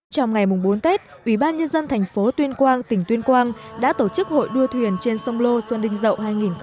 trong ngày bốn tết ủy ban nhân dân thành phố tuyên quang tỉnh tuyên quang đã tổ chức hội đua thuyền trên sông lô xuân đinh dậu hai nghìn hai mươi